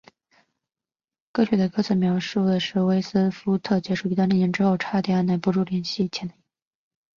歌曲的歌词描述了斯威夫特结束一段恋情之后差点按捺不住去联系前男友。